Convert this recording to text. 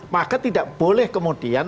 maka tidak boleh kemudian